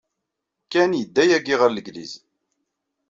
Ken yedda yagi ɣer Langliz.